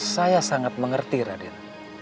saya sangat mengerti raden